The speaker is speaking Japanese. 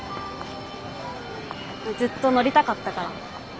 ずっと乗りたかったから。